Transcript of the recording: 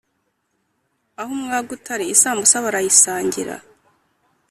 • aho umwaga utari isambusa barayisangira